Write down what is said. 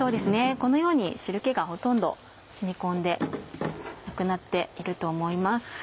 このように汁気がほとんど染み込んでなくなっていると思います。